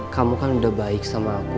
kamu kan udah baik sama aku